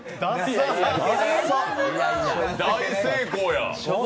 大成功や。